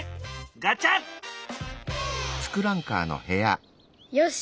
ガチャ！よし！